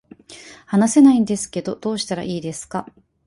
話せないんですけどどうしたらいいですか